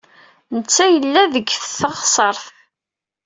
Netta yella deg teɣsert.